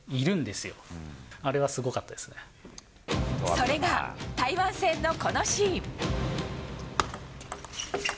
それが台湾戦の、このシーン。